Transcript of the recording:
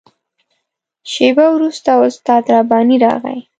شېبه وروسته استاد رباني راغی.